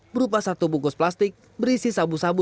berupa satu bungkus plastik berisi sabu sabu